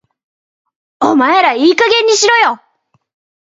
お前らいい加減にしろよ